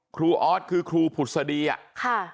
ครูออตคือครูผุดเสดียะ